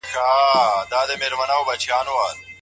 ولي د لور او زوم تر منځ لانجې جوړېږي؟